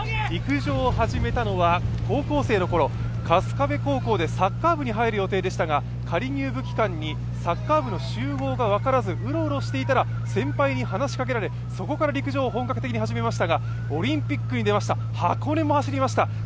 陸上を始めたのは高校生のころ、春日部高校でサッカー部に入る予定でしたが、仮入部期間にサッカー部の集合が分からずうろうろしていたら先輩に話しかけられ、そこから陸上を本格的に始めましたがオリンピックに出ました、箱根も走りました。